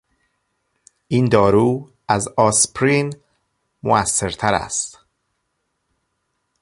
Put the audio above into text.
این دارو از آسپرین موثرتر است.